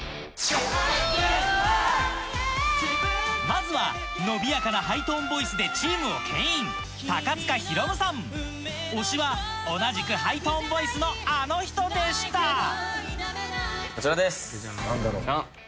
まずは伸びやかなハイトーンボイスでチームをけん引推しは同じくハイトーンボイスのあの人でしたこちらですジャン！